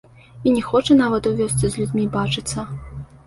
І не хоча нават у вёсцы з людзьмі бачыцца.